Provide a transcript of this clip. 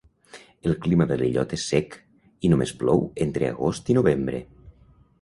El clima de l'illot és sec, i només plou entre agost i novembre.